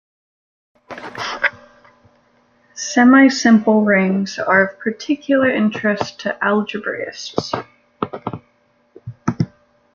Semisimple rings are of particular interest to algebraists.